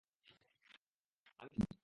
আমি ভুল করেছি।